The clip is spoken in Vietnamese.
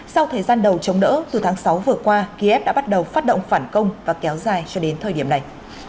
sau thời gian đầu chống đỡ từ tháng sáu vừa qua kiev đã bắt đầu phát động phản công và kéo dài cho đến thời điểm này